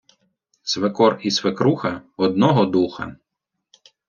свекор і свекруха – одного духа